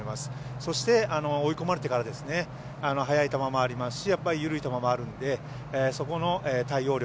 そして、追い込まれてから速い球もありますし緩い球もあるのでそこの対応力。